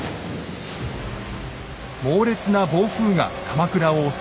猛烈な暴風が鎌倉を襲います。